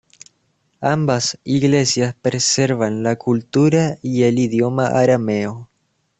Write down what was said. Ambas Iglesias preservan la cultura y el idioma arameo.